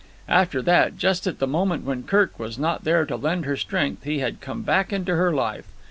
After that, just at the moment when Kirk was not there to lend her strength, he had come back into her life.